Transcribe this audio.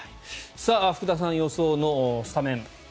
福田さん予想のスタメン。